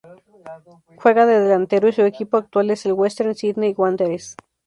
Juega de delantero y su equipo actual es el Western Sydney Wanderers.